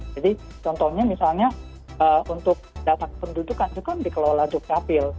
jadi contohnya misalnya untuk data pendudukan juga dikelola untuk kapil